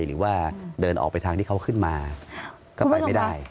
หรือว่าเดินออกไปทางที่เขาขึ้นมาก็ไปไม่ได้